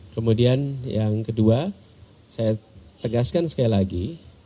kemudian yang kedua saya tegaskan sekali lagi